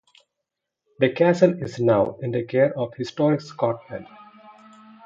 The castle is now in the care of Historic Scotland.